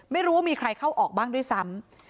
ไม่รู้ว่ามีใครเข้าออกบ้างด้วยซ้ำ